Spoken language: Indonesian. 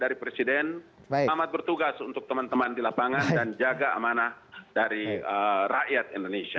dari presiden selamat bertugas untuk teman teman di lapangan dan jaga amanah dari rakyat indonesia